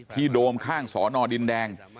โดมข้างสอนอดินแดง